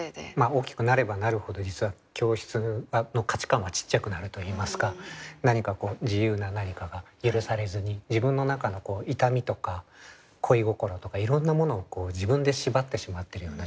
大きくなればなるほど実は教室の価値観はちっちゃくなるといいますか自由な何かが許されずに自分の中の痛みとか恋心とかいろんなものを自分で縛ってしまっているような状態というか。